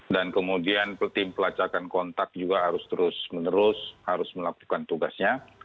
dan kemudian tim pelacakan kontak juga harus terus menerus harus melakukan tugasnya